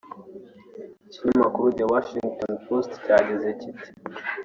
Ikinyamakuru The Washington Post cyagize kiti